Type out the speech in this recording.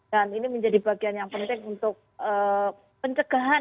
dan ini menjadi bagian yang penting untuk pencegahan